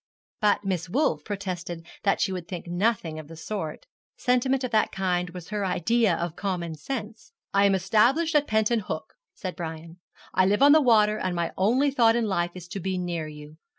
But Miss Wolf protested that she would think nothing of the sort. Sentiment of that kind was her idea of common sense. 'I am established at Penton Hook,' said Brian. 'I live on the water, and my only thought in life is to be near you.